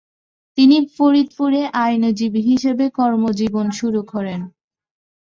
তিনি ফরিদপুরে আইনজীবী হিসেবে কর্মজীবন শুরু করেন।